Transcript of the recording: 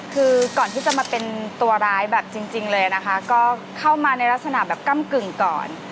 คือก่อนที่จะมาเป็นตัวร้ายแบบจริงเลยนะคะก็เข้ามาในลักษณะแบบก้ำกึ่งก่อน